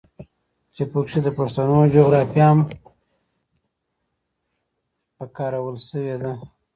چې پکښې د پښتنو جغرافيه هم پکارولے شوې ده.